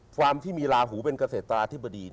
ความที่มีลาหูเป็นเกษตราธิบดี